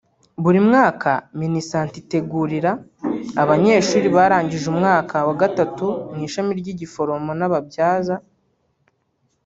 Buri mwaka Minisante itegurira abanyeshuri barangije umwaka wa gatatu mu ishami ry’igiforomo n’ababyaza